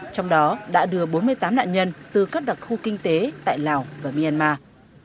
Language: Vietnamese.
trong đó đã đưa bốn mươi tám nạn nhân từ các đặc khu kinh tế tại lào và myanmar